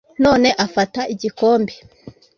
Nanone afata igikombe